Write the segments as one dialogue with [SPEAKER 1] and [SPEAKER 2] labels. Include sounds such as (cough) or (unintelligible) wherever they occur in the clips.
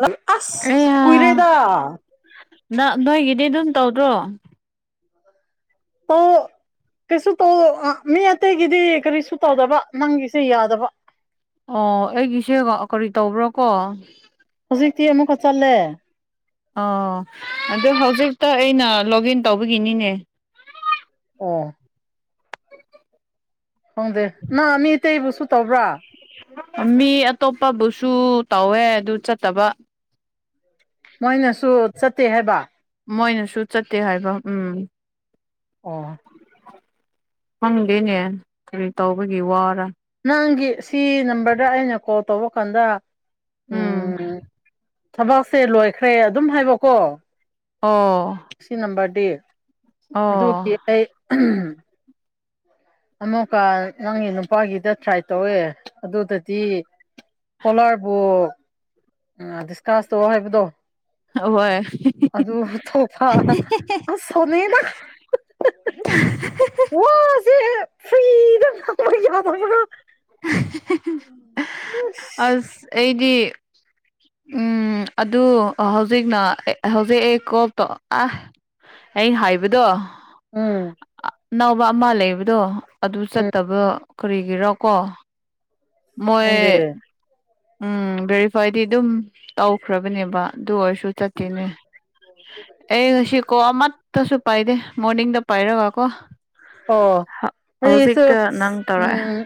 [SPEAKER 1] ꯂꯣ ꯑꯁ ꯀꯨꯏꯔꯦꯗ
[SPEAKER 2] ꯅ ꯅꯣꯏꯒꯤꯗꯤ ꯑꯗꯨꯝ ꯇꯧꯗ꯭ꯔꯣ
[SPEAKER 1] ꯇꯧ ꯀꯩꯁꯨ ꯇꯧ ꯑ ꯃꯤ ꯑꯇꯩꯒꯤꯗꯤ ꯀꯔꯤꯁꯨ ꯇꯧꯗꯕ ꯅꯪꯒꯤꯁꯦ ꯌꯥꯗꯕ
[SPEAKER 2] ꯑꯣ ꯑꯩꯒꯤꯁꯦꯒ ꯑ ꯀꯔꯤ ꯇꯧꯕ꯭ꯔꯥ ꯀꯣ
[SPEAKER 1] ꯍꯧꯖꯤꯛꯇꯤ ꯑꯃꯨꯛꯀ ꯆꯠꯂꯦ
[SPEAKER 2] ꯑꯣ ꯑꯗꯨ ꯍꯧꯖꯤꯛꯇ ꯑꯩꯅ ꯂꯣꯒꯏꯟ ꯇꯧꯕꯒꯤꯅꯤꯅꯦ
[SPEAKER 1] (unintelligible) ꯈꯪꯗꯦ ꯅꯪ ꯃꯤ ꯑꯇꯩꯕꯨꯁꯨ ꯇꯧꯕ꯭ꯔꯥ
[SPEAKER 2] ꯃꯤ ꯑꯇꯣꯞꯄꯕꯨꯁꯨ ꯇꯧꯋꯦ ꯑꯗꯨ ꯆꯠꯇꯕ
[SPEAKER 1] ꯃꯣꯏꯅꯁꯨ ꯆꯠꯇꯦ ꯍꯥꯏꯕ
[SPEAKER 2] ꯃꯣꯏꯅꯁꯨ ꯆꯠꯇꯦ ꯍꯥꯏꯕ ꯎꯝ
[SPEAKER 1] ꯑꯣ
[SPEAKER 2] ꯈꯪꯗꯦꯅꯦ ꯀꯔꯤ ꯇꯧꯕꯒꯤ ꯋꯥꯔꯥ
[SPEAKER 1] ꯅꯪꯒꯤ ꯁꯤ ꯅꯝꯕꯔꯗ ꯑꯩꯅ ꯀꯣꯜ ꯇꯧꯕ ꯀꯥꯟꯗ ꯎꯝ ꯊꯕꯛꯁꯦ ꯂꯣꯏꯈ꯭ꯔꯦ ꯑꯗꯨꯝ ꯍꯥꯏꯕꯀꯣ
[SPEAKER 2] ꯑꯣ
[SPEAKER 1] ꯁꯤ ꯅꯝꯕꯔꯗꯤ ꯑꯗꯨꯀꯤ
[SPEAKER 2] ꯑꯣ
[SPEAKER 1] ꯑꯩ ꯎꯝ ꯑꯃꯨꯛꯀ ꯅꯪꯒꯤ ꯅꯨꯄꯥꯒꯤꯗ ꯇ꯭ꯔꯥꯏ ꯇꯧꯋꯦ ꯑꯗꯨꯗꯗꯤ ꯀꯣꯂꯔꯕꯨ ꯑ ꯗꯤꯁꯀꯥꯁ ꯇꯧ ꯍꯥꯏꯕꯗꯣ
[SPEAKER 2] ꯍꯣꯏ
[SPEAKER 1] ꯑꯗꯨ ꯍꯥꯊꯣꯛꯄꯥ ꯑꯁ ꯁꯥꯎꯅꯤꯡꯏꯗꯥ ꯋꯥꯖꯦ ꯐ꯭ꯔꯤꯗ (unintelligible) ꯎꯝ
[SPEAKER 2] ꯑꯁ ꯑꯩꯗꯤ ꯎꯝ ꯑꯗꯨ ꯍꯧꯖꯤꯛꯅ ꯍꯧꯖꯤꯛ ꯑꯩ ꯀꯣꯜ ꯇꯧ ꯑꯥ ꯑꯩ ꯍꯥꯏꯕꯗꯣ
[SPEAKER 1] ꯎꯝ
[SPEAKER 2] ꯑꯅꯧꯕ ꯑꯃ ꯂꯩꯕꯗꯣ ꯑꯗꯨ
[SPEAKER 1] ꯎꯝ
[SPEAKER 2] ꯆꯠꯇꯕ ꯀꯔꯤꯒꯤꯔꯣ ꯀꯣ ꯃꯣꯏ
[SPEAKER 1] ꯈꯪꯗꯦ
[SPEAKER 2] ꯎꯝ ꯚꯦꯔꯤꯐꯥꯏꯗꯤ ꯑꯗꯨꯝ ꯇꯧꯈ꯭ꯔꯕꯅꯦꯕ ꯑꯗꯨ ꯑꯣꯏꯔꯁꯨ ꯗꯨ ꯆꯠꯇꯦꯅꯦ ꯑꯩ ꯉꯁꯤ ꯀꯣ ꯑꯃꯠ ꯇꯁꯨ ꯄꯥꯏꯗꯦ ꯃꯣꯔꯅꯤꯡꯗ ꯄꯥꯏꯔꯒꯀꯣ
[SPEAKER 1] ꯑꯣ ꯑꯩꯁꯨ
[SPEAKER 2] ꯍꯧꯖꯤꯛꯇ ꯅꯪ ꯇꯧꯔꯛꯑꯦ
[SPEAKER 1] ꯎꯝ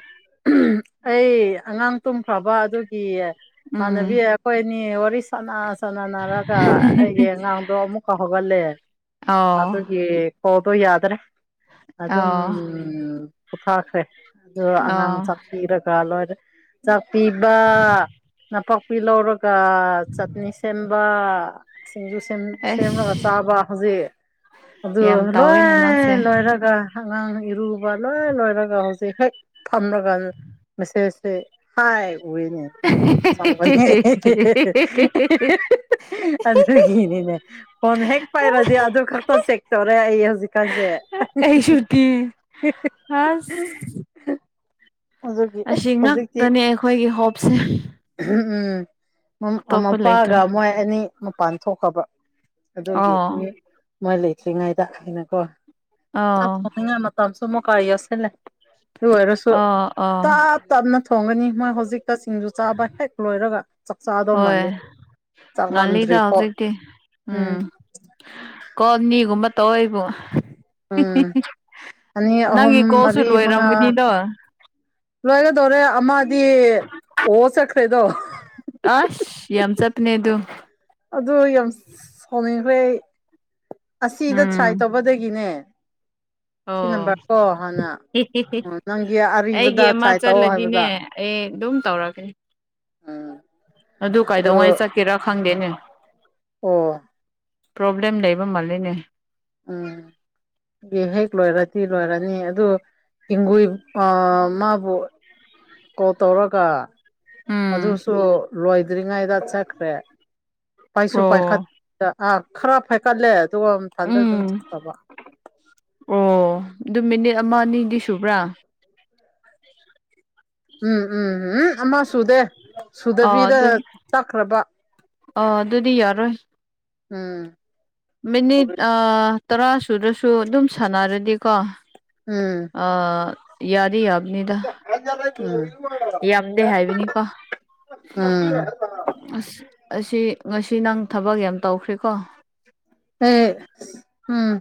[SPEAKER 1] ꯑꯩ ꯑꯉꯥꯡ ꯇꯨꯝꯈ꯭ꯔꯕ ꯑꯗꯨꯒꯤ
[SPEAKER 2] ꯎꯝ
[SPEAKER 1] ꯏꯃꯥꯟꯅꯕꯤ ꯈꯣꯏꯑꯅꯤ ꯋꯥꯔꯤ ꯁꯥꯟꯅ ꯁꯥꯟꯅꯅꯔꯒ ꯑꯩꯒꯤ ꯑꯉꯥꯡꯗꯣ ꯑꯃꯨꯛꯀ ꯍꯧꯒꯠꯂꯦ
[SPEAKER 2] ꯑꯥꯎ
[SPEAKER 1] ꯑꯗꯨꯒꯤ ꯀꯣꯜꯗꯣ ꯌꯥꯗ꯭ꯔꯦ ꯑꯗꯨꯝ
[SPEAKER 2] ꯑꯥꯎ
[SPEAKER 1] ꯄꯣꯊꯥꯈ꯭ꯔꯦ ꯑꯗꯨ ꯑꯉꯥꯡ
[SPEAKER 2] ꯑꯥꯎ
[SPEAKER 1] ꯆꯥꯛꯄꯤꯔꯒ ꯂꯣꯏꯔꯦ ꯆꯥꯛꯄꯤꯕ ꯊꯕꯛ ꯂꯧꯔꯒ ꯆꯠꯅꯤ ꯁꯦꯝꯕ ꯁꯤꯡꯖꯨ
[SPEAKER 2] ꯑꯦꯁ
[SPEAKER 1] ꯁꯦꯝꯂꯒ ꯆꯥꯕ ꯍꯧꯖꯤꯛ ꯑꯗꯨ
[SPEAKER 2] ꯌꯥꯝ ꯇꯧꯋꯤꯅꯦ ꯅꯪꯁꯦ
[SPEAKER 1] ꯂꯣꯏ ꯂꯣꯏꯔ ꯑꯉꯥꯡ ꯏꯔꯨꯕ ꯂꯣꯏ ꯂꯣꯏꯔꯒ ꯍꯧꯖꯤꯛ ꯍꯦꯛ ꯐꯝꯂꯒ ꯃꯁꯦꯁꯇꯤ ꯍꯥꯏ ꯎꯨꯏꯅꯦ ꯑꯗꯨꯒꯤ ꯆꯪꯕꯅꯦ ꯑꯗꯨꯒꯤꯅꯤꯅꯦ ꯐꯣꯟ ꯍꯦꯛ ꯄꯥꯏꯔꯗꯤ ꯑꯗꯨ ꯈꯛꯇ ꯆꯦꯛ ꯇꯧꯔꯦ ꯑꯩ ꯍꯧꯖꯤꯛꯀꯥꯟꯁꯦ
[SPEAKER 2] ꯑꯩꯁꯨꯇꯤ ꯑꯁ
[SPEAKER 1] ꯍ (unintelligible)
[SPEAKER 2] ꯑꯁꯤ ꯉꯛꯇꯅꯦ ꯑꯩꯈꯣꯏꯒꯤ ꯍꯣꯞꯁꯦ
[SPEAKER 1] ꯎꯝ
[SPEAKER 2] ꯑꯇꯣꯞꯄ ꯂꯩꯇ꯭ꯔꯦ
[SPEAKER 1] ꯃꯄꯥꯒ ꯃꯣꯏ ꯑꯅꯤ ꯃꯄꯥꯟ ꯊꯣꯛꯈꯔꯕ ꯑꯗꯨꯒꯤ
[SPEAKER 2] ꯑꯣ
[SPEAKER 1] ꯃꯤ ꯃꯣꯏ ꯂꯩꯇ꯭ꯔꯤꯉꯩꯗ ꯑꯩꯅ ꯒꯣ ꯆꯥꯛ
[SPEAKER 2] ꯑꯥꯎ
[SPEAKER 1] ꯊꯣꯡꯅꯤꯡꯉꯥꯢ ꯊꯕꯛꯁꯨ ꯑꯃꯨꯛꯒ ꯌꯦꯠꯁꯤꯜꯂꯦ ꯑꯗꯨ ꯑꯣꯢꯔꯁꯨ
[SPEAKER 2] ꯑꯥ ꯑꯥ
[SPEAKER 1] ꯇꯞꯅ ꯊꯣꯡꯒꯅꯤ ꯃꯣꯏ ꯍꯧꯖꯤꯛꯇ ꯁꯤꯡꯖꯩ ꯆꯥꯕ ꯍꯦꯛ ꯂꯣꯏꯔꯒ ꯆꯥꯛ ꯆꯥꯗꯧ
[SPEAKER 2] ꯍꯣꯏ
[SPEAKER 1] ꯃꯥꯜꯂꯤ ꯆꯥꯛ
[SPEAKER 2] ꯉꯥꯜꯂꯤꯗ
[SPEAKER 1] ꯂꯥꯝꯗ꯭ꯔꯤꯐꯥꯎ
[SPEAKER 2] ꯍꯧꯖꯤꯛꯇꯤ ꯎꯝ ꯀꯣꯜ ꯑꯅꯤꯒꯨꯝꯕ ꯇꯧꯋꯦꯕꯨ
[SPEAKER 1] ꯎꯝ ꯑꯅꯤ ꯑꯍꯨꯝ
[SPEAKER 2] ꯅꯪꯒꯤ ꯀꯣꯜꯁꯨ
[SPEAKER 1] ꯃꯔꯤ ꯃꯉꯥ
[SPEAKER 2] ꯂꯣꯏꯔꯝꯒꯅꯤꯗꯣ
[SPEAKER 1] ꯂꯣꯏꯒꯗꯧꯔꯦ ꯑꯃꯗꯤ ꯑꯣ ꯆꯠꯈ꯭ꯔꯦꯗꯣ
[SPEAKER 2] ꯑꯩꯁ ꯌꯥꯝ ꯆꯠꯄꯤꯅꯦ ꯑꯗꯨ
[SPEAKER 1] ꯑꯗꯨ ꯌꯥꯝ ꯁꯥꯎꯅꯤꯡꯈ꯭ꯔꯦ ꯑꯩ ꯑꯁꯤꯗ ꯇ꯭ꯔꯥꯏ
[SPEAKER 2] ꯎꯝ
[SPEAKER 1] ꯇꯧꯕꯗꯒꯤꯅꯦ
[SPEAKER 2] ꯑꯣ
[SPEAKER 1] ꯁꯤ ꯅꯝꯕꯔ ꯀꯣ ꯍꯥꯟꯅ ꯎꯝ ꯅꯪꯒꯤ
[SPEAKER 2] ꯑꯩꯒꯤ
[SPEAKER 1] ꯑꯔꯤꯕꯗ
[SPEAKER 2] ꯑꯃ
[SPEAKER 1] ꯇ꯭ꯔꯥꯏ ꯇꯧ
[SPEAKER 2] ꯆꯠꯂꯗꯤꯅꯦ
[SPEAKER 1] ꯍꯥꯏꯕꯗ
[SPEAKER 2] ꯑꯦ ꯑꯗꯨꯝ ꯇꯧꯔꯒꯦ ꯑꯗꯨ ꯀꯥꯏꯗꯧꯉꯥꯏ
[SPEAKER 1] ꯑꯗꯣ
[SPEAKER 2] ꯆꯠꯀꯦꯔꯥ ꯈꯪꯗꯦꯅꯦ
[SPEAKER 1] ꯑꯣ
[SPEAKER 2] ꯄꯣꯕ꯭ꯂꯦꯝ ꯂꯩꯕ ꯃꯥꯜꯂꯦꯅꯦ
[SPEAKER 1] ꯎꯝ ꯍꯦꯛ ꯂꯣꯏꯔꯗꯤ ꯂꯣꯏꯔꯅꯤ ꯑꯗꯨ ꯍꯤꯡꯒꯨꯏ ꯃꯥꯕꯨ ꯀꯣꯜ ꯇꯧꯔꯒ
[SPEAKER 2] ꯎꯝ
[SPEAKER 1] ꯑꯗꯨꯁꯨ ꯂꯣꯏꯗ꯭ꯔꯤꯉꯩꯗ ꯆꯠꯈ꯭ꯔꯦ ꯄꯩꯁꯨ ꯄꯥꯏꯈꯠ
[SPEAKER 2] ꯑꯣ
[SPEAKER 1] ꯈꯔ ꯄꯥꯏꯈꯠꯂꯦ ꯑꯗꯨꯒ ꯃꯊꯟꯗ ꯑꯗꯨꯝ
[SPEAKER 2] ꯎꯝ
[SPEAKER 1] ꯆꯠꯕ
[SPEAKER 2] ꯑꯣ ꯑꯗꯨ ꯃꯤꯅꯤꯠ ꯑꯃ ꯑꯅꯤꯗꯤ ꯁꯨꯕ꯭ꯔꯥ
[SPEAKER 1] ꯎꯝ ꯎꯝ ꯎꯝ ꯑꯃ ꯁꯨꯗꯦ
[SPEAKER 2] ꯑꯥ
[SPEAKER 1] ꯁꯨꯗꯕꯤꯗ
[SPEAKER 2] ꯑꯗꯨ
[SPEAKER 1] ꯆꯠꯈ꯭ꯔꯕ
[SPEAKER 2] ꯑꯥ ꯑꯗꯨꯗꯤ ꯌꯥꯔꯣꯏ
[SPEAKER 1] ꯎꯝ
[SPEAKER 2] ꯃꯤꯅꯤꯠ ꯇꯔꯥ ꯁꯨꯗꯔꯁꯨ ꯑꯗꯨꯝ ꯁꯥꯟꯅꯔꯗꯤꯀꯣ
[SPEAKER 1] ꯎꯝ
[SPEAKER 2] ꯌꯥꯗꯤ ꯌꯥꯕꯅꯤꯗ
[SPEAKER 1] (unintelligible) ꯍꯦ ꯑꯝ
[SPEAKER 2] ꯌꯥꯝꯗꯦ ꯍꯥꯏꯕꯅꯤꯀꯣ
[SPEAKER 1] ꯎꯝ
[SPEAKER 2] ꯑꯁ ꯑꯁꯤ ꯉꯁꯤ ꯅꯪ ꯊꯕꯛ ꯌꯥꯝ ꯇꯧꯈ꯭ꯔꯦꯀꯣ
[SPEAKER 1] ꯑꯦ ꯎꯝ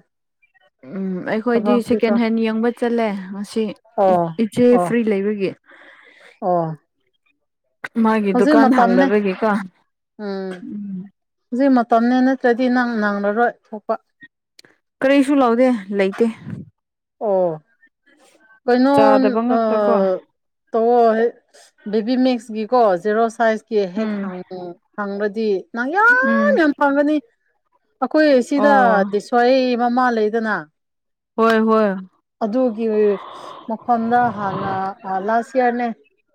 [SPEAKER 2] ꯎꯝ ꯑꯩꯈꯣꯏꯗꯤ
[SPEAKER 1] ꯊꯕꯛꯇꯤ
[SPEAKER 2] ꯁꯦꯀꯦꯟ
[SPEAKER 1] ꯇꯧ
[SPEAKER 2] ꯍꯦꯟ ꯌꯦꯡꯕ ꯆꯠꯂꯦ ꯉꯁꯤ
[SPEAKER 1] ꯑꯣ
[SPEAKER 2] ꯏꯆꯦ
[SPEAKER 1] ꯑꯣ
[SPEAKER 2] ꯐ꯭ꯔꯤ ꯂꯩꯕꯒꯤ
[SPEAKER 1] ꯑꯣ
[SPEAKER 2] ꯃꯥꯒꯤ
[SPEAKER 1] ꯍꯧꯖꯤꯛ
[SPEAKER 2] ꯗꯨꯀꯥꯟ
[SPEAKER 1] ꯃꯇꯝꯅꯦ
[SPEAKER 2] ꯍꯥꯡꯗꯕꯒꯤꯀꯣ
[SPEAKER 1] ꯎꯝ
[SPEAKER 2] ꯎꯝ
[SPEAKER 1] ꯍꯧꯖꯤꯛ ꯃꯇꯝꯅꯦ ꯅꯠꯇ꯭ꯔꯗꯤ ꯅꯪ ꯅꯪꯂꯔꯣꯏ ꯊꯣꯛꯄ
[SPEAKER 2] ꯀꯔꯤꯁꯨ ꯂꯥꯎꯗꯦ ꯂꯩꯇꯦ
[SPEAKER 1] ꯑꯣ ꯀꯩꯅꯣ
[SPEAKER 2] ꯆꯥꯗꯕ
[SPEAKER 1] ꯑ
[SPEAKER 2] ꯉꯥꯛꯇ ꯀꯣ
[SPEAKER 1] ꯇꯧꯑꫭ ꯕꯦꯕꯤꯅ‌ꯦꯁꯀꯤꯀꯣ ꯖꯦꯔꯣ ꯁꯥꯏꯖꯀꯤ ꯍꯦꯛ
[SPEAKER 2] ꯎꯝ
[SPEAKER 1] ꯍꯥꯡꯇ‌ꫭ ꯍꯪꯕꯗꯤ ꯅ ꯌꯥꯝ
[SPEAKER 2] ꯎꯝ
[SPEAKER 1] ꯌꯥꯝ ꯐꯪꯒꯅꯤ ꯑꯩꯈꯣꯏ ꯁꯤꯗ
[SPEAKER 2] ꯑꯣ
[SPEAKER 1] ꯗꯤꯁ (unintelligible) ꯑꯩ ꯃꯃꯥ ꯂꯩꯗꯅ
[SPEAKER 2] ꯍꯣꯏ ꯍꯣꯏ
[SPEAKER 1] ꯑꯗꯨꯒꯤ ꯃꯐꯝꯗ ꯍꯥꯟꯅ ꯂꯥꯁ ꯏꯌꯥꯔꯅꯦ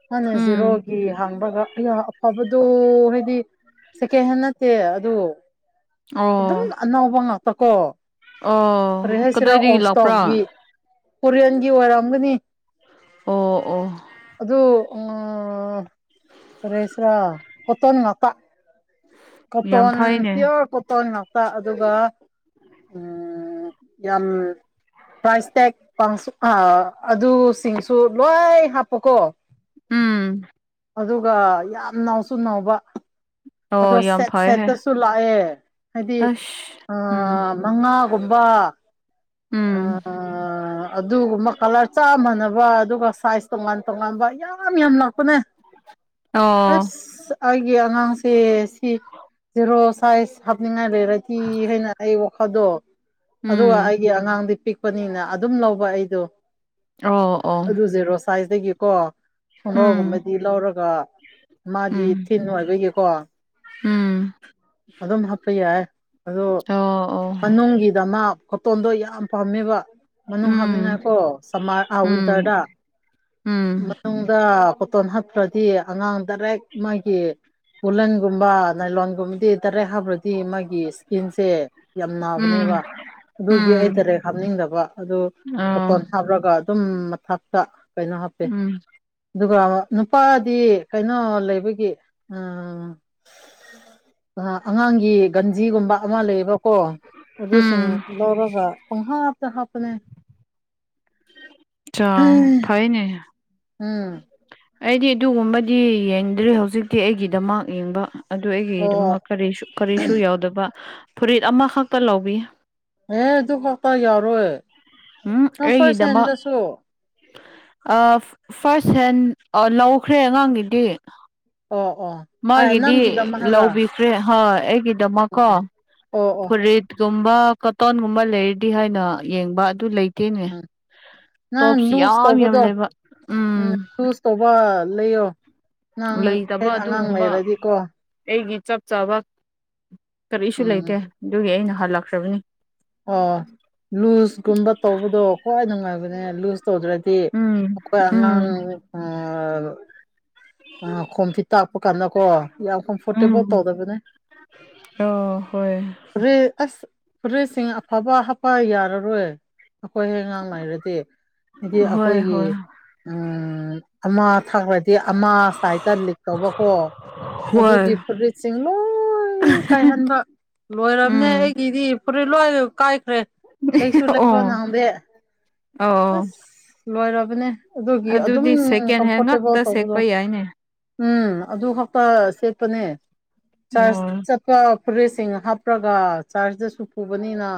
[SPEAKER 1] ꯃꯥꯟꯅ
[SPEAKER 2] ꯎꯝ
[SPEAKER 1] ꯖꯤꯔꯣꯒꯤ ꯍꯥꯡꯕꯒ ꯑꯩꯌꯥ ꯑꯐꯕꯗꯣ ꯍꯥꯏꯗꯤ ꯁꯦꯀꯦꯟ ꯍꯦꯟ ꯅꯠꯇꯦ ꯑꯗꯨ ꯑꯗꯨꯝ
[SPEAKER 2] ꯑꯣ
[SPEAKER 1] ꯑꯅꯧꯕ ꯉꯥꯛꯇ ꯀꯣ
[SPEAKER 2] ꯑꯣ
[SPEAKER 1] ꯐꯣꯔꯦ ꯍꯥꯏꯁꯤꯔꯥ
[SPEAKER 2] ꯀꯗꯥꯏꯗꯒꯤ
[SPEAKER 1] ꯑꯣꯁꯇꯣꯛꯒꯤ
[SPEAKER 2] ꯂꯥꯛꯄ꯭ꯔꯥ
[SPEAKER 1] ꯎꯔ‌ꯦꯟꯒꯤ ꯑꯣꯏꯔꯑꯝꯒꯅꯤ
[SPEAKER 2] ꯑꯣ ꯑꯣ
[SPEAKER 1] ꯑꯗꯨꯗ ꯑꯥ ꯀꯔꯤꯍꯥꯏꯁꯤꯔ ꯃꯣꯇꯣꯟ ꯉꯥꯛꯇꯥ
[SPEAKER 2] ꯌꯥꯝ
[SPEAKER 1] ꯀꯣꯇꯣꯟ
[SPEAKER 2] ꯐꯩꯅꯦ
[SPEAKER 1] ꯄꯤꯌꯣꯔ ꯀꯣꯇꯣꯟ ꯉꯥꯛꯇ ꯑꯗꯨꯒ ꯎ ꯎꯝ ꯌꯥꯝ ꯄ꯭ꯔꯥꯏꯁ ꯇꯦꯛ ꯀꯥꯡꯁꯨ ꯑ ꯑꯗꯨꯁꯤꯡꯁꯨ ꯂꯣꯏ ꯍꯥꯞꯄꯀꯣ
[SPEAKER 2] ꯎꯝ
[SPEAKER 1] ꯑꯗꯨꯒ ꯌꯥꯝ ꯅꯥꯎꯁꯨ ꯅꯥꯎꯕ
[SPEAKER 2] ꯑꯣ
[SPEAKER 1] ꯑꯗꯣ
[SPEAKER 2] ꯌꯥꯝ
[SPEAKER 1] ꯁꯦꯠ
[SPEAKER 2] ꯐꯩꯍꯦ
[SPEAKER 1] ꯁꯦꯠꯇꯁꯨ ꯂꯥꯛꯑꯦ ꯍꯥꯏꯗꯤ
[SPEAKER 2] ꯑꯁ
[SPEAKER 1] ꯑ
[SPEAKER 2] ꯎꯝ
[SPEAKER 1] ꯃꯉꯥꯒꯨꯝꯕ ꯑꯥ
[SPEAKER 2] ꯎꯝ
[SPEAKER 1] ꯑꯥ ꯑꯗꯨꯒꯨꯝꯕ ꯀꯂꯔ ꯆꯞ ꯃꯥꯟꯅꯕ ꯑꯗꯨꯒ ꯁꯥꯏꯖ ꯇꯣꯉꯥꯟ ꯇꯣꯉꯥꯟꯕ ꯌꯥꯝ ꯌꯥꯝ ꯌꯥꯝ ꯂꯥꯛꯄꯅꯦ
[SPEAKER 2] (inaudible) ꯑꯣ
[SPEAKER 1] ꯑꯁ ꯑꯩꯒꯤ ꯑꯉꯥꯡꯁꯦ ꯁꯤ ꯖꯦꯔꯣ ꯁꯥꯏꯠ ꯍꯥꯞꯅꯤꯡꯉꯥꯏ ꯂꯩꯔꯗꯤ ꯍ‌ꯦꯟꯅ ꯑꯩ ꯋꯥꯈꯜꯗꯣ ꯑꯗꯨꯒ
[SPEAKER 2] ꯎꯝ
[SPEAKER 1] ꯑꯩꯒꯤ ꯑꯉꯥꯡꯗꯤ ꯄꯤꯛ ꯄꯤꯛꯄꯅꯤꯅ ꯑꯗꯨꯝ ꯂꯧꯕ ꯑꯩꯗꯣ
[SPEAKER 2] ꯑꯣ ꯑꯣ
[SPEAKER 1] ꯑꯗꯨ ꯖ‌ꯦ ꯔꯣꯁꯥꯏꯇꯒꯤꯀꯣ
[SPEAKER 2] ꯎꯝ
[SPEAKER 1] ꯈꯣꯡꯒꯥꯎꯒꯨꯝꯕꯗꯤ ꯂꯧꯔꯒ ꯃꯥꯗꯤ
[SPEAKER 2] ꯎꯝ
[SPEAKER 1] ꯊꯤꯟ ꯑꯣꯏꯕꯒꯤꯀꯣ
[SPEAKER 2] ꯎꯝ
[SPEAKER 1] ꯑꯗꯨꯝ ꯍꯥꯞꯄ ꯌꯥꯏ ꯑꯗ
[SPEAKER 2] ꯑꯣ ꯑꯣ
[SPEAKER 1] ꫭꯃꯅꯨꯡꯒꯤꯗ ꯃꯥ ꯃꯥꯇꯣꯟꯗꯣ ꯌꯥꯝ ꯄꯥꯝꯃꯦꯕ ꯃꯅꯨꯡ
[SPEAKER 2] ꯎꯝ
[SPEAKER 1] ꯍꯥꯞꯅꯤꯡꯉꯥꯏꯀꯣ ꯁꯝꯃꯔ ꯑꯥ
[SPEAKER 2] ꯎꯝ
[SPEAKER 1] ꯋꯤꯟꯇꯔꯗ
[SPEAKER 2] ꯎꯝ
[SPEAKER 1] ꯃꯅꯨꯡꯗ ꯇꯣꯟꯍꯠꯄ꯭ꯔꯗꯤ ꯑꯉꯥꯡ ꯗꯥꯏꯔꯦꯛ ꯃꯥꯒꯤ ꯕꯨꯂꯟꯒꯨꯝꯕ ꯅꯥꯏꯂꯣꯟꯒꯨꯝꯕꯗꯤ ꯇꯔꯦꯠ ꯍꯥꯞꯕ꯭ꯔꯗꯤ ꯃꯥꯒꯤ ꯏꯁꯀꯤꯟꯁꯦ ꯌꯥꯝ ꯅꯥꯕꯅꯦꯕ
[SPEAKER 2] ꯎꯝ
[SPEAKER 1] ꯑꯗꯨꯒꯤ ꯑꯩ
[SPEAKER 2] ꯎꯝ
[SPEAKER 1] ꯇꯔꯦꯛ ꯍꯥꯞꯅꯤꯡꯗꯕ ꯑꯗꯨ ꯍꯣꯇꯣꯟ
[SPEAKER 2] ꯑꯣ
[SPEAKER 1] ꯍꯥꯞꯂꯒ ꯑꯗꯨꯝ ꯃꯊꯞꯇ ꯀꯩꯅꯣ ꯍꯥꯞꯄꯦ
[SPEAKER 2] ꯎꯝ
[SPEAKER 1] ꯑꯗꯨꯒ ꯅꯨꯄꯥꯗꯤ ꯀꯩꯅꯣ ꯂꯩꯕꯒꯤ ꯑꯥ ꯑꯉꯥꯡꯒꯤ ꯒꯟꯖꯤꯒꯨꯝꯕ ꯑꯃ ꯂꯩꯕ ꯀꯣ ꯑꯗꯨꯁꯤꯡ
[SPEAKER 2] ꯎꯝ
[SPEAKER 1] ꯂꯧꯔꯒ ꯄꯨꯡꯍꯥꯞꯇ ꯍꯥꯞꯄꯅꯦ
[SPEAKER 2] ꯆꯥ ꯐꯩꯏꯅꯦ
[SPEAKER 1] ꯎꯝ
[SPEAKER 2] ꯑꯩꯗꯤ ꯑꯗꯨꯒꯨꯝꯕꯗꯤ ꯌꯦꯡꯗ꯭ꯔꯦ ꯍꯧꯖꯤꯛꯇꯤ ꯑꯩꯒꯤꯗꯃꯛ ꯌꯦꯡꯕ ꯑꯗꯨ
[SPEAKER 1] ꯑꯣ
[SPEAKER 2] ꯑꯩꯒꯤꯗꯨꯃꯛ ꯀꯔꯤ ꯀꯔꯤꯁꯨ ꯌꯥꯎꯗꯕ ꯐꯨꯔꯤꯠ ꯑꯃꯈꯛꯇ ꯂꯧꯎꯕꯤ
[SPEAKER 1] ꯑꯦ ꯑꯗꯨ (unintelligible) ꯌꯥꯎꯔꯣꯏ
[SPEAKER 2] ꯍꯝ ꯑꯩꯒꯤꯗꯃꯛ ꯑꯥ ꯐꯥꯔꯁ ꯍꯦꯟ ꯂꯧꯈ꯭ꯔꯦ ꯑꯉꯥꯡꯒꯤꯗꯤ
[SPEAKER 1] ꯑꯣ ꯑꯣ ꯑꯦ
[SPEAKER 2] ꯃꯥꯒꯤꯗꯤ
[SPEAKER 1] ꯅꯪꯒꯤꯗꯃꯛ ꯍꯥꯏꯕ꯭ꯔꯥ
[SPEAKER 2] ꯂꯧꯕꯤꯈ꯭ꯔꯦ ꯍꯣꯏ ꯑꯩꯒꯤꯗꯃꯛꯀꯣ
[SPEAKER 1] ꯑꯣ ꯑꯣ
[SPEAKER 2] ꯐꯨꯔꯤꯠ ꯒꯨꯝꯕ ꯀꯇꯣꯟꯒꯨꯝꯕ ꯂꯩꯔꯗꯤ ꯍꯥꯏꯅ ꯌꯦꯡꯕ ꯑꯗꯨ ꯂꯩ ꯇꯦꯅꯦ
[SPEAKER 1] ꯎꯝ ꯅꯪ
[SPEAKER 2] ꯇꯣꯞꯁ ꯌꯥꯝ ꯌꯥꯝ ꯂꯩꯕ ꯎꯝ
[SPEAKER 1] ꯆꯨꯁ ꯇꯧꯕ ꯂꯩꯌꯣ ꯅꯡ
[SPEAKER 2] ꯂꯩꯇꯕ
[SPEAKER 1] ꯍꯦꯛ ꯑꯉꯥꯡ
[SPEAKER 2] ꯑꯗꯨꯒꯨꯝꯕ
[SPEAKER 1] ꯂꯩꯔꯗꯤꯀꯣ
[SPEAKER 2] ꯑꯩꯒꯤ ꯆꯞ ꯆꯥꯕ ꯀꯔꯤꯁꯨ
[SPEAKER 1] ꯎꯝ
[SPEAKER 2] ꯂꯩꯇꯦ ꯑꯗꯨꯒꯤ ꯑꯩꯅ ꯍꯜꯂꯛꯈ꯭ꯔꯕꯅꯤ
[SPEAKER 1] ꯑꯣ ꯂꯨꯖꯀꯨꯝꯕ ꯇꯧꯕꯗꯣ ꯈ꯭ꯋꯥꯏ ꯅꯨꯡꯉꯥꯏꯕꯅꯦ ꯂꯨꯖ ꯇꯧꯗ꯭ꯔꯗꯤ
[SPEAKER 2] ꯎꯝ
[SPEAKER 1] ꯑꯈꯣꯏ
[SPEAKER 2] ꯎꯝ
[SPEAKER 1] ꯑꯉꯥꯡ ꯑꯥ ꯑ ꯈꯣꯝꯄꯤ ꯊꯛꯄ ꯀꯥꯟꯗꯀꯣ ꯌꯥꯝ ꯀꯝꯐꯣꯔꯇꯦꯕꯜ
[SPEAKER 2] ꯎꯝ
[SPEAKER 1] ꯇꯧꯗꯕꯅꯦ
[SPEAKER 2] ꯑꯣ ꯍꯣꯏ
[SPEAKER 1] ꯐꯨꯔꯤꯠ ꯑꯁ ꯐꯔꯤꯁꯤꯡ ꯑꯐꯕ ꯍꯥꯞꯄ ꯌꯥꯔꯔꯣꯏ ꯑꯈꯣꯏ ꯑꯉꯥꯡ ꯂꯩꯔꯗꯤ ꯍꯥꯏꯗꯤ
[SPEAKER 2] ꯍꯣꯏ
[SPEAKER 1] ꯑꯈꯣꯏꯒꯤ
[SPEAKER 2] ꯍꯣꯏ
[SPEAKER 1] ꯎꯝ ꯑꯃꯥ ꯊꯛꯔꯗꯤ ꯑꯃ ꯁꯥꯏꯠꯇ ꯂꯤꯛ ꯇꯧꯕꯀꯣ
[SPEAKER 2] ꯍꯣꯏ
[SPEAKER 1] ꯑꯗꯨꯒꯤ ꯐꯨꯔꯤꯠꯁꯤꯡ ꯂꯣꯏ (unintelligible) ꯀꯥꯏꯍꯟꯕ ꯂꯣꯏꯔꯝꯅꯦ
[SPEAKER 2] ꯎꯝ
[SPEAKER 1] ꯑꯩꯒꯤꯗꯤ ꯐꯨꯔꯤ ꯂꯣꯏ ꯀꯥꯏꯈ꯭ꯔꯦ ꯂꯩꯁꯨ
[SPEAKER 2] ꯑꯣ
[SPEAKER 1] ꯂꯩꯕ ꯅꯪꯗꯦ
[SPEAKER 2] ꯑꯣ
[SPEAKER 1] ꯑꯁ ꯂꯣꯏꯔꯕꯅꯦ ꯑꯗꯨꯒꯤ ꯑꯗꯨꯝ
[SPEAKER 2] ꯑꯗꯨꯗꯤ ꯁꯦꯀꯦꯟ ꯍꯦꯟ
[SPEAKER 1] ꯀꯝꯐꯣꯔꯇꯦꯕꯜ
[SPEAKER 2] ꯉꯥꯛꯇ
[SPEAKER 1] ꯇꯧꯕꯗꯣ
[SPEAKER 2] ꯁꯦꯠꯄ ꯌꯥꯏꯅꯦ
[SPEAKER 1] ꯎꯝ ꯑꯗꯨ ꯈꯛꯇ ꯁꯦꯠꯄꯅꯦ ꯆꯔꯆ
[SPEAKER 2] ꯑꯣ
[SPEAKER 1] ꯆꯠ ꯐꯨꯔꯤꯠꯁꯤꯡ ꯍꯥꯞꯔꯒ ꯆꯥꯔꯖꯇꯁꯨ ꯄꯨꯕꯅꯤꯅ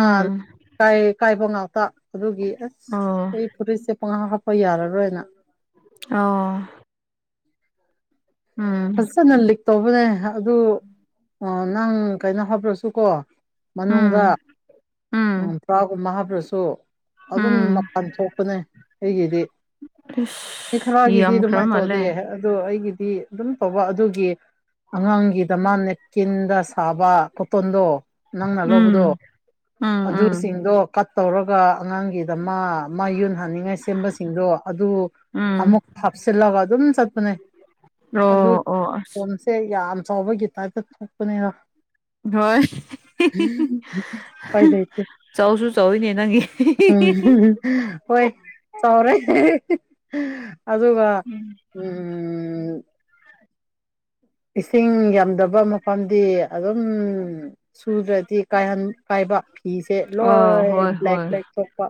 [SPEAKER 1] ꯑꯥ ꯀꯥꯏ ꯀꯥꯏꯕꯉꯥꯛꯇ ꯑꯗꯨꯨꯒꯤ ꯑꯁ
[SPEAKER 2] ꯑꯣ
[SPEAKER 1] ꯑꯩ ꯐꯨꯔꯤꯁꯦ ꯄꯡ ꯍꯥꯞ ꯍꯣꯏ ꯌꯥꯔꯔꯣꯏꯅ
[SPEAKER 2] ꯑꯣ ꯎꯝ
[SPEAKER 1] ꯐꯖꯅ ꯂꯤꯛ ꯇꯧꯕꯅꯦ ꯑꯗꯨ ꯅꯪ ꯀꯩꯅꯣ ꯍꯥꯞꯔꯁꯨꯀꯣ
[SPEAKER 2] ꯎꯝ
[SPEAKER 1] ꯃꯅꯨꯡꯗ
[SPEAKER 2] ꯎꯝ
[SPEAKER 1] ꯕ꯭ꯔꯥꯒꯨꯝꯕ ꯍꯥꯞꯔꯁꯨ ꯑꯗꯨꯝ
[SPEAKER 2] ꯎꯝ
[SPEAKER 1] ꯃꯄꯥꯟ ꯊꯣꯛꯄꯅꯦ ꯑꯩꯒꯤꯗꯤ ꯃꯤ
[SPEAKER 2] ꯏꯁ
[SPEAKER 1] ꯈꯔꯒꯤꯗꯤ
[SPEAKER 2] ꯌꯥꯝꯈ꯭ꯔ
[SPEAKER 1] ꯑꯗꯨꯃꯥꯏꯅ ꯇꯧꯗꯦ
[SPEAKER 2] ꯃꯥꯜꯂꯦ
[SPEAKER 1] ꯑꯗꯣ ꯑꯩꯒꯤꯗꯤ ꯑꯗꯨꯝ ꯇꯧꯕ ꯑꯗꯨꯒꯤ ꯑꯉꯥꯡꯒꯤꯗꯃꯥ ꯅꯦꯞꯀꯤꯟꯗ ꯁꯥꯕ ꯀꯣꯇꯣꯟꯗꯣ ꯅꯪꯅ ꯂꯧꯕꯗꯣ
[SPEAKER 2] ꯎꯝ ꯎꯝ ꯎꯝ
[SPEAKER 1] ꯑꯗꯨꯁꯤꯡꯗꯣ ꯀꯠ ꯇꯧꯔꯒ ꯑꯉꯥꯡꯒꯤꯗꯃꯥ ꯃꯥ ꯌꯨꯟ ꯍꯥꯅꯤꯡꯉꯥꯏ ꯁꯦꯝꯕꯁꯤꯡꯗꯣ ꯑꯗꯨ
[SPEAKER 2] ꯎꯝ
[SPEAKER 1] ꯑꯃꯨꯛ ꯍꯥꯞꯆꯤꯜꯂꯒ ꯑꯗꯨꯝ ꯆꯠꯄꯅꯦ ꯑꯗꯨ
[SPEAKER 2] ꯑꯣ ꯑꯣ ꯑꯁ
[SPEAKER 1] ꯈꯣꯝꯁꯦ ꯌꯥꯝ ꯆꯥꯎꯕꯒꯤ ꯇꯥꯏꯞꯇ ꯊꯣꯛꯄꯅꯦꯅ
[SPEAKER 2] ꯍꯣꯏ
[SPEAKER 1] ꯎꯄꯥꯏ ꯂꯩꯇꯦ
[SPEAKER 2] ꯆꯥꯎꯁꯨ ꯆꯥꯎꯋꯤꯅꯦ ꯅꯪꯒꯤ
[SPEAKER 1] ꯎꯝ (unintelligible) ꯍꯣꯏ ꯆꯥꯎꯔꯦ ꯑꯗꯨꯒ ꯎꯝ ꯏꯁꯤꯡ ꯌꯥꯝꯗꯕ ꯃꯐꯝꯗꯤ ꯑꯗꯨꯝ ꯁꯨꯗ꯭ꯔꯗꯤ ꯀꯥꯏꯍꯟ ꯀꯥꯏꯕ ꯐꯤꯁꯦ
[SPEAKER 2] ꯑꯣ
[SPEAKER 1] ꯂꯣꯏ
[SPEAKER 2] ꯍꯣꯏ
[SPEAKER 1] ꯕ꯭ꯂꯦꯛ
[SPEAKER 2] ꯍꯣꯏ
[SPEAKER 1] ꯕ꯭ꯂꯦꯛ ꯊꯣꯛꯄ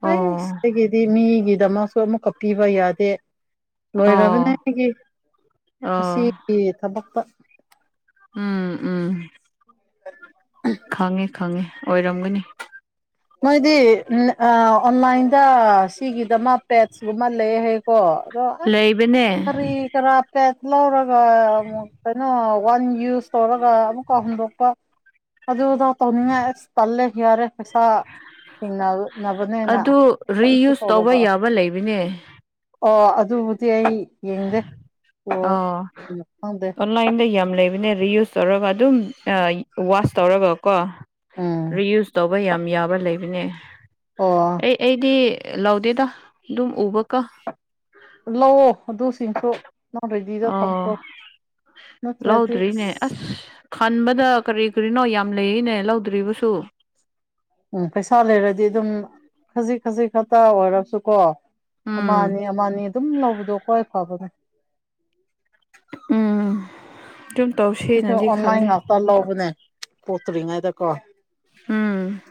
[SPEAKER 2] ꯑꯣ
[SPEAKER 1] (unintelligible) ꯗꯤ ꯃꯤꯒꯤꯗꯃꯛꯁꯨ ꯑꯃꯨꯛꯀ ꯄꯤꯕ ꯌꯥꯗꯦ ꯂꯣꯏꯔꯕꯅꯦ
[SPEAKER 2] ꯑꯣ
[SPEAKER 1] ꯑꯩꯒꯤ
[SPEAKER 2] ꯑꯣ
[SPEAKER 1] ꯃꯁꯤꯒꯤ ꯊꯕꯛꯇ
[SPEAKER 2] ꯎꯝ ꯎꯝ
[SPEAKER 1] (inaudible)
[SPEAKER 2] ꯈꯪꯉꯦ ꯈꯪꯉꯦ ꯑꯣꯏꯔꯝꯒꯅꯤ
[SPEAKER 1] ꯃꯣꯏꯗꯤ ꯑꯣꯟꯂꯥꯏꯜꯗ ꯁꯤꯒꯤꯗ ꯃ ꯄꯦꯠꯁꯀꯨꯝꯕ ꯂꯩ ꯍꯥꯏꯀꯣ ꯑꯗꯣ ꯑꯁ
[SPEAKER 2] ꯂꯩꯕꯅꯦ
[SPEAKER 1] ꯀꯔꯤ ꯀꯔꯥ ꯄꯦꯁ ꯂꯧꯔꯒ ꯑꯃꯛ ꯀꯩꯅꯣ ꯋꯥꯟ ꯌꯨꯁ ꯇꯧꯔꯒ ꯑꯃꯨꯛꯀ ꯍꯟꯗꯣꯛꯄ ꯑꯗꯨꯗꯣ ꯇꯅꯤꯡꯉꯥꯏ ꯑꯁ ꯇꯜꯦ ꯌꯔꯦ ꯄꯩ ꯁꯥ ꯊꯤꯡꯅꯅꯕꯅꯦꯅ
[SPEAKER 2] ꯑꯗꯨ
[SPEAKER 1] ꯀꯔꯤꯁꯨ
[SPEAKER 2] ꯔꯤꯌꯨꯁ ꯇꯧꯕ
[SPEAKER 1] ꯇꯧꯔꯕ
[SPEAKER 2] ꯌꯥꯕ ꯂꯩꯕꯅꯦ
[SPEAKER 1] ꯑꯣ ꯑꯗꯨꯕꯨꯗꯤ ꯑꯩ ꯌꯦꯡꯗꯦ ꯑꯣ
[SPEAKER 2] ꯑ
[SPEAKER 1] ꯎꯝ ꯈꯪꯗꯦ
[SPEAKER 2] ꯑꯣꯟꯂꯥꯏꯟꯗ ꯌꯥꯝ ꯂꯩꯕꯅꯦ ꯔꯤꯌꯨꯁ ꯇꯧꯔꯒ ꯑꯗꯨꯝ ꯋꯥꯁ ꯇꯧꯔꯒꯀꯣ
[SPEAKER 1] ꯎꯝ
[SPEAKER 2] ꯔꯤꯌꯨꯁ ꯇꯧꯕ ꯌꯥꯝ ꯌꯥꯕ꯭ꯔꯥ ꯂꯩꯕ ꯏꯅꯦ
[SPEAKER 1] ꯑꯣ
[SPEAKER 2] ꯑꯩ ꯑꯩꯗꯤ ꯂꯧꯎꯗꯦꯗ ꯑꯗꯨꯝ ꯎꯕ ꯀꯣ
[SPEAKER 1] ꯂꯑꯣ ꯑꯗꯨꯁꯤꯡꯁꯨ ꯅ
[SPEAKER 2] ꯑꯣ ꯂꯥꯎꯗ꯭ꯔꯤꯅꯦ ꯑꯁ ꯈꯟꯕꯗ ꯀꯔꯤ ꯀꯔꯤꯅꯣ ꯌꯥꯝ ꯂꯩꯅꯦ ꯂꯧꯗ꯭ꯔꯤꯕꯁꯨ
[SPEAKER 1] ꯎꯝ ꯄꯩꯁꯥ ꯂꯩꯔꯗꯤ ꯑꯗꯨꯝ ꯈꯖꯤꯛ ꯈꯖꯤꯛ ꯈꯛꯇ ꯑꯣꯏꯔꯕꯁꯨ ꯀꯣ
[SPEAKER 2] ꯎꯝ
[SPEAKER 1] ꯑꯃꯅꯤ ꯑꯃꯅꯤ ꯑꯗꯨꯝ ꯂꯧꯕꯗꯣ ꯈ꯭ꯋꯥꯏ ꯐꯕꯅꯦ
[SPEAKER 2] ꯎꯝ ꯇꯧꯁꯤ
[SPEAKER 1] ꯑꯁ ꯑꯣꯟꯂꯥꯏꯟ ꯉꯥꯛꯇ ꯂꯧꯕꯅꯦ ꯄꯣꯠꯇ꯭ꯔꯤꯉꯩꯗꯀꯣ
[SPEAKER 2] ꯎꯝ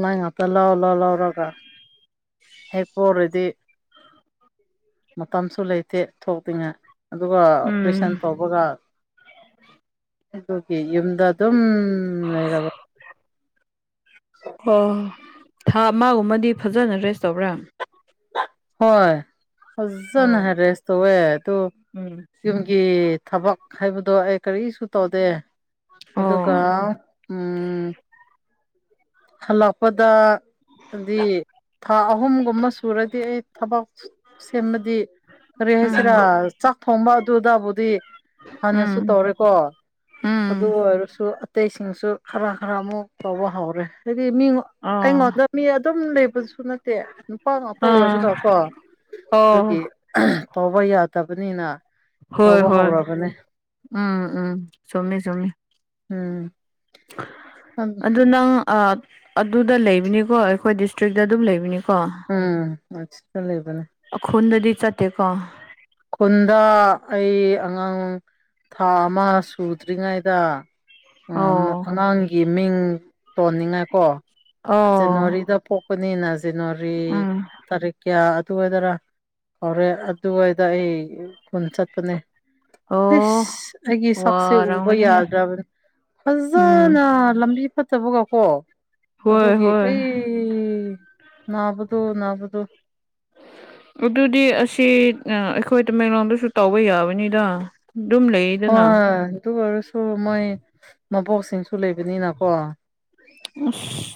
[SPEAKER 1] ꯃꯥꯏ ꯉꯥꯛꯇ ꯂꯧꯔ ꯂꯥꯎꯔꯒ ꯍꯦꯛꯄꯣꯔꯗꯤ ꯃꯇꯝꯁꯨ ꯂꯩꯇꯦ ꯊꯣꯛꯇ꯭ꯔꯤꯉꯩ ꯑꯗꯨꯒ ꯑꯣꯄꯔꯦꯁꯟ
[SPEAKER 2] ꯎꯝ
[SPEAKER 1] ꯇꯧꯕꯒ ꯑꯗꯨꯒꯤ ꯌꯨꯝꯗ ꯑꯗꯨꯝ ꯂꯩꯔꯕ
[SPEAKER 2] ꯑꯣ ꯊꯥ ꯑꯃꯒꯨꯝꯕꯗꯤ ꯐꯖꯅ ꯔꯦꯁ ꯇꯧꯕ꯭ꯔꯥ
[SPEAKER 1] ꯍꯣꯏ ꯐꯖꯅ
[SPEAKER 2] ꯑꯣ
[SPEAKER 1] ꯍꯥꯏ ꯔꯦꯁ ꯇꯧꯋꯦ ꯑꯗꯨ
[SPEAKER 2] ꯎꯝ
[SPEAKER 1] ꯌꯨꯝ ꯒꯤ ꯊꯕꯛ ꯍꯥꯏꯕꯗꯣ ꯑꯩ ꯀꯔꯤꯁꯨ ꯇꯧꯗꯦ
[SPEAKER 2] ꯑꯣ
[SPEAKER 1] ꯑꯗꯨꯒ ꯎꯝ ꯍꯜꯂꯛꯄꯗ ꯗꯤ ꯊꯥ ꯑꯍꯨꯝꯒꯨꯝꯕ ꯁꯨꯔꯗꯤ ꯑꯩ ꯊꯕꯛ ꯁꯦꯝꯃꯗꯤ ꯀꯔꯤ
[SPEAKER 2] ꯎꯝ
[SPEAKER 1] ꯍꯥꯏꯁꯤꯔꯥ ꯆꯥꯛ ꯊꯣꯡꯕ ꯑꯗꯨꯗꯕꯨꯗꯤ ꯍꯥꯟꯅꯁꯨ
[SPEAKER 2] ꯎꯝ
[SPEAKER 1] ꯇꯧꯔꯦꯀꯣ
[SPEAKER 2] ꯎꯝ
[SPEAKER 1] ꯑꯗꯨ ꯑꯣꯏꯔꯁꯨ ꯑꯇꯩꯁꯤꯡꯁꯨ ꯈꯔ ꯈꯔ ꯑꯃꯨꯛ ꯇꯧꯕ ꯍꯧꯎꯔꯦ ꯍꯥꯏꯗꯤ ꯃꯤ
[SPEAKER 2] ꯑꯣ
[SPEAKER 1] ꯑꯩꯉꯣꯟꯗ ꯃꯤ ꯑꯗꯨꯝ ꯂꯩꯕꯁꯨ ꯅꯠꯇꯦ ꯅꯨꯄꯥ ꯉꯥꯛꯇ
[SPEAKER 2] ꯑꯥ
[SPEAKER 1] ꯑꯣꯏꯕꯒ ꯀꯣ
[SPEAKER 2] ꯑꯣ
[SPEAKER 1] ꯑꯗꯨꯒꯤ ꯇꯧꯕ ꯌꯥꯗꯕꯅꯤꯅ
[SPEAKER 2] ꯍꯣꯏ
[SPEAKER 1] ꯇꯧꯕ
[SPEAKER 2] ꯍꯣꯏ
[SPEAKER 1] ꯍꯧꯔꯕꯅꯦ
[SPEAKER 2] ꯎꯝ ꯎꯝ ꯆꯨꯝꯃꯤ ꯆꯨꯝꯃꯤ
[SPEAKER 1] ꯎꯝ
[SPEAKER 2] ꯑꯗꯨ ꯅꯪ ꯑ ꯑꯗꯨꯗ ꯂꯩꯕꯅꯤꯀꯣ ꯑꯩꯈꯣꯏ ꯗꯤꯁꯇ꯭ꯔꯤꯛꯇ ꯑꯗꯨꯝ ꯂꯩꯕꯅꯤ
[SPEAKER 1] ꯎꯝ (inaudible) ꯂꯩꯕꯅꯦ
[SPEAKER 2] ꯑꯈꯣꯟꯗꯗꯤ ꯆꯠꯇꯦꯀꯣ
[SPEAKER 1] ꯈꯨꯟꯗ ꯑꯩ ꯑꯉꯥꯡ ꯊꯥ ꯑꯃ ꯁꯨꯗ꯭ꯔꯤꯉꯩꯗ
[SPEAKER 2] ꯑꯣ
[SPEAKER 1] ꯑꯉꯥꯡꯒꯤ ꯃꯤꯡ ꯊꯣꯟꯅꯤꯡꯉꯥꯏ ꯀꯣ
[SPEAKER 2] ꯑꯣ
[SPEAKER 1] ꯖꯥꯟꯌꯨꯋꯥꯔꯤꯗ ꯄꯣꯛꯄꯅꯤꯅ ꯖꯥꯟꯌꯨꯋꯥꯔꯤ
[SPEAKER 2] ꯎꯝ
[SPEAKER 1] ꯇꯥꯔꯤꯛ ꯀꯌꯥ ꯑꯗꯨꯋꯥꯏꯗꯔ ꯀꯧꯔꯦ ꯑꯗꯨꯋꯥꯏꯗ ꯑꯩ ꯄꯨꯟꯅ ꯆꯠꯄꯅꯦ
[SPEAKER 2] ꯑꯣ
[SPEAKER 1] ꯏꯁ ꯑꯩꯒꯤ ꯁꯛꯁꯦ ꯎꯕ
[SPEAKER 2] ꯋꯥꯔꯝꯒꯅꯤꯍꯦ
[SPEAKER 1] ꯌꯥꯗ꯭ꯔꯕꯅꯤ
[SPEAKER 2] ꯎꯝ
[SPEAKER 1] ꯐꯖꯅ ꯂꯝꯕꯤ ꯐꯠꯇꯕꯒ ꯀꯣ
[SPEAKER 2] ꯍꯣꯏ
[SPEAKER 1] ꯑꯗꯨꯒꯤ
[SPEAKER 2] ꯍꯣꯏ
[SPEAKER 1] ꯑꯩ ꯅꯥꯕꯗꯣ ꯅꯥꯕꯗꯣ
[SPEAKER 2] ꯑꯗꯨꯗꯤ ꯑꯁꯤ ꯑꯥ ꯑꯩꯈꯣꯏ ꯇꯃꯦꯡꯂꯣꯝꯗꯁꯨ ꯇꯧꯕ ꯌꯥꯕꯅꯤꯗ ꯗꯨꯝ ꯂꯩ
[SPEAKER 1] ꯍꯣꯏ ꯑꯗꯨ ꯑꯣꯏꯔꯁꯨ ꯃꯣꯏ ꯃꯕꯣꯛꯁꯤꯡꯁꯨ ꯂꯩꯕꯅꯤꯅꯀꯣ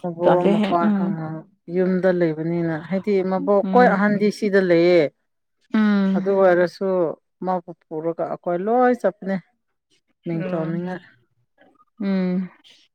[SPEAKER 1] ꯃꯕꯣꯛ
[SPEAKER 2] ꯇꯜꯂꯦꯍꯦ
[SPEAKER 1] ꯃꯧꯄꯥ
[SPEAKER 2] ꯎꯝ
[SPEAKER 1] (inaudible) ꯌꯨꯝꯗ ꯂꯩꯕꯅꯤꯅ ꯍꯥꯏꯗꯤ ꯃꯕꯣꯛ ꯀꯣꯏ
[SPEAKER 2] ꯎꯝ
[SPEAKER 1] ꯑꯍꯟꯗꯤ ꯁꯤꯗ ꯂꯩꯌꯦ
[SPEAKER 2] ꯎꯝ
[SPEAKER 1] ꯑꯗꯨ ꯑꯣꯏꯔꯁꯨ ꯃꯥꯕꯨ ꯄꯨꯔꯒ ꯑꯩꯈꯣꯏ ꯂꯣꯏ ꯆꯠꯄꯅꯦ ꯃꯤꯡ
[SPEAKER 2] ꯎꯝ
[SPEAKER 1] ꯆꯣꯟꯅꯤꯡꯉꯥꯏ
[SPEAKER 2] ꯎꯝ